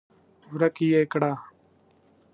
ورک يې کړه!